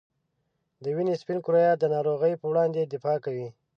د وینې سپین کرویات د ناروغۍ په وړاندې دفاع کوي.